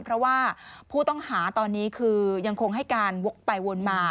เพราะว่าผู้ต้องหาตอนนี้คือยังคงให้การวกไปวนมา